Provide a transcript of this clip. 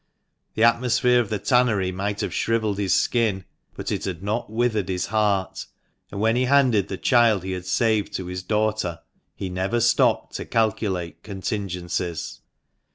The atmosphere of the tannery might have shrivelled his skin, but it had not withered his heart ; and when he handed the child he had saved to his daughter, he never stopped to calculate contingencies.